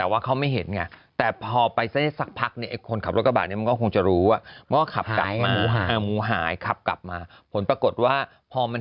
ว่าไม่เอาล่ะเพราะว่าเขาคงไม่อยากตาย